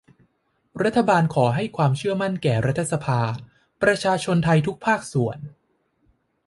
รัฐบาลขอให้ความเชื่อมั่นแก่รัฐสภา ประชาชนไทยทุกภาคส่วน